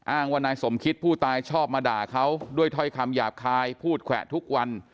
อ้างว่านายสมคิดผู้ตายชอบมาด่าเขาด้วยถ้อยคำหยาบคายพูดแขวะทุกวัน